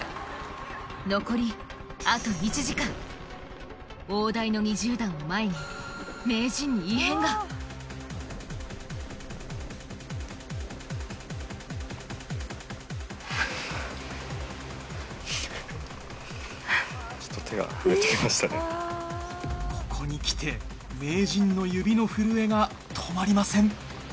残り大台の２０段を前に名人にここにきて名人の指の震えが止まりません。